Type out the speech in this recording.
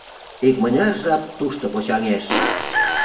Икмыняр жап тушто почаҥеш.